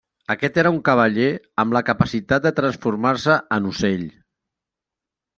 Aquest era un cavaller amb la capacitat de transformar-se en ocell.